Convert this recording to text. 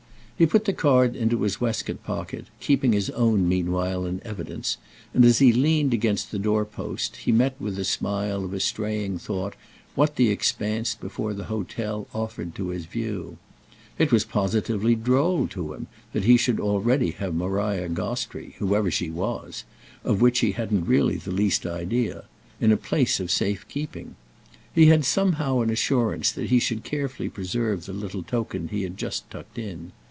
He put the card into his waistcoat pocket, keeping his own meanwhile in evidence; and as he leaned against the door post he met with the smile of a straying thought what the expanse before the hotel offered to his view. It was positively droll to him that he should already have Maria Gostrey, whoever she was—of which he hadn't really the least idea—in a place of safe keeping. He had somehow an assurance that he should carefully preserve the little token he had just tucked in.